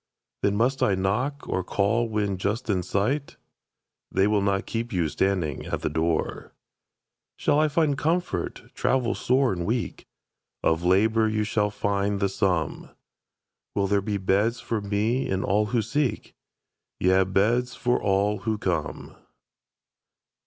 Then must I knock, or call when just in sight? They will not keep you standing at that door. Shall I find comfort, travel sore and weak? Of labor you shall find the sum. Will there be beds for me and all who seek? Yea, beds for all who come.